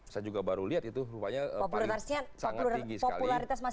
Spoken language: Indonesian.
saya juga baru lihat itu rupanya sangat tinggi sekali